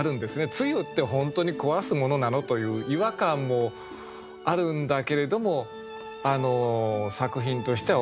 露って本当に壊すものなの？という違和感もあるんだけれども作品としては面白い。